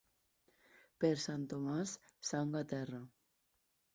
Per Sant Tomàs, sang a terra.